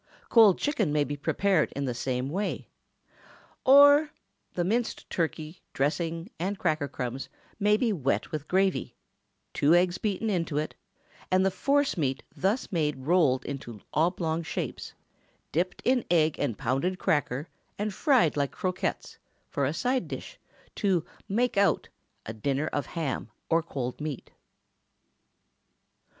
Cold chicken may be prepared in the same way Or, The minced turkey, dressing, and cracker crumbs may be wet with gravy, two eggs beaten into it, and the force meat thus made rolled into oblong shapes, dipped in egg and pounded cracker, and fried like croquettes, for a side dish, to "make out" a dinner of ham or cold meat.